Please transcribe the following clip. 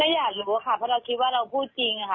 อยากรู้ค่ะเพราะเราคิดว่าเราพูดจริงค่ะ